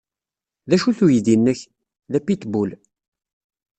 D acu-t uydi-nnek? D apitbul.